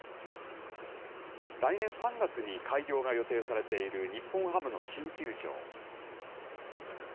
来年３月に開業が予定されている日本ハムの新球場。